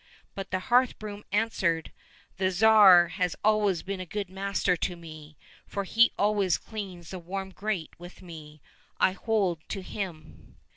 — But the hearth broom answered, " The Tsar has always been a good master to me, for he always cleans the warm grate with me ; I hold to him."